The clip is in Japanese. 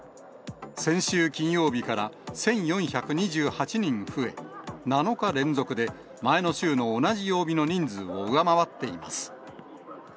先週金曜日から１４２８人増え、７日連続で前の週の同じ曜日の人数を上回っています。